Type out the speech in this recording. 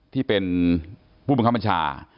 ที่เป็นผู้มณะขัมพันธา